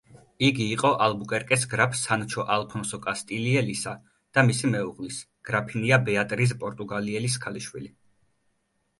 იგი იყო ალბუკერკეს გრაფ სანჩო ალფონსო კასტილიელისა და მისი მეუღლის, გრაფინია ბეატრიზ პორტუგალიელის ქალიშვილი.